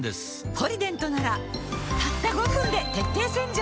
「ポリデント」ならたった５分で徹底洗浄